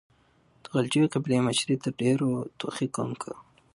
د غلجيو قبيلې مشري تر ډيرو توخي قوم کوله.